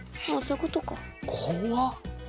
怖っ！